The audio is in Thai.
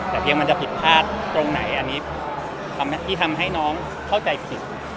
แต่เพียงมันจะผิดพลาดตรงไหนอันนี้ที่ทำให้น้องเข้าใจผิด